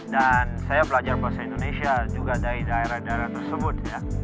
dan saya belajar bahasa indonesia juga dari daerah daerah tersebut